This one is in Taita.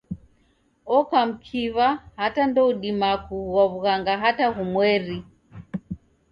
Oka mkiw'a hata ndoudima kugua w'ughanga hata ghumweri.